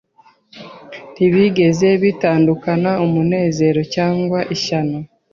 ntibizigera bitandukana umunezero cyangwa ishyano